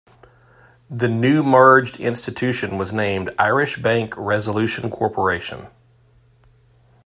The new merged institution was named Irish Bank Resolution Corporation.